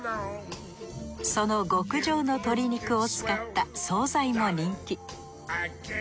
その極上の鶏肉を使った惣菜も人気。